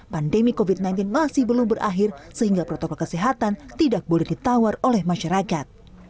pandemi covid sembilan belas masih belum berakhir sehingga protokol kesehatan tidak boleh ditawar oleh masyarakat